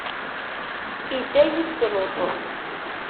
idda yid-s Luṭ.